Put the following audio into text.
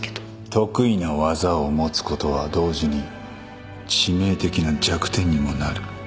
得意な技を持つことは同時に致命的な弱点にもなる